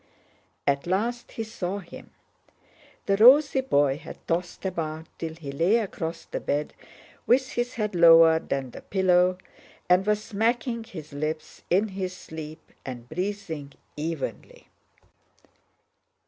At last he saw him: the rosy boy had tossed about till he lay across the bed with his head lower than the pillow, and was smacking his lips in his sleep and breathing evenly.